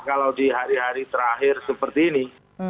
kalau di hari hari terakhir seperti ini